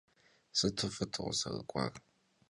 Sıtu f'ıt vukhızerık'uar.